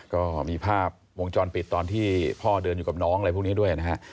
ก็มีภาพวงจรปิดตอนที่พ่อเดินอยู่กับน้องอะไรพวกนี้ด้วยนะฮะ